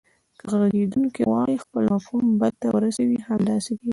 که غږیدونکی غواړي خپل مفهوم بل ته ورسوي همداسې کیږي